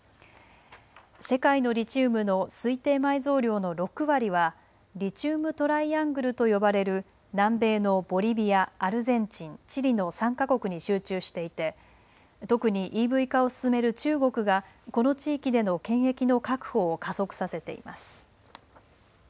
世界のリチウムの推定埋蔵量の６割はリチウム・トライアングルと呼ばれる南米のボリビア、アルゼンチン、チリの３か国に集中していて特にＥＶ化を進める中国がこの地域での権益の確保を加速させています。